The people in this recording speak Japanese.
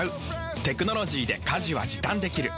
テクノロジーで家事は時短できる。